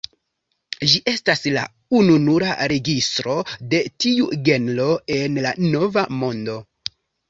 Ĝi estas la ununura registro de tiu genro en la Nova Mondo.